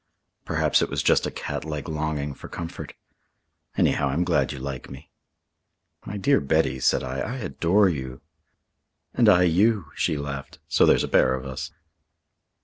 Perhaps it was just a catlike longing for comfort. Anyhow, I'm glad you like me." "My dear Betty," said I, "I adore you." "And I you," she laughed. "So there's a pair of us."